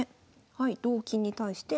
はい同金に対して。